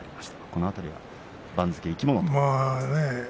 この辺りは番付が生き物ということですね。